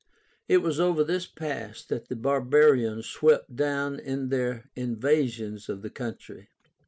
It was over this pass that the Barbarians swept down in their invasions of the country.